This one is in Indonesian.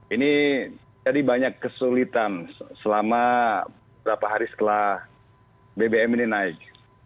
ini jadi banyak kesulitan selama berapa hari setelah bbm ini naik